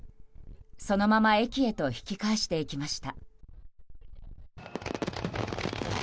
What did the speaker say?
そのまま駅へと引き返していきました。